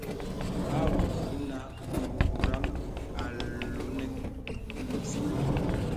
Àvùk ìnə mpùraŋ a loŋə nfīn.